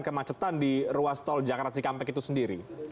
kemacetan di ruas tol jakarta cikampek itu sendiri